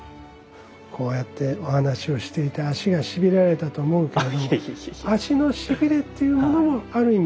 こうやってお話をしていて足がしびれられたと思うけれども足のしびれっていうものもある意味